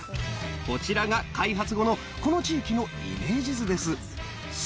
こちらが開発後のこの地域のイメージ図です。